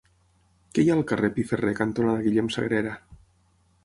Què hi ha al carrer Piferrer cantonada Guillem Sagrera?